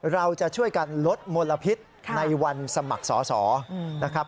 เราจะช่วยกันลดมลพิษในวันสมัครสอสอนะครับ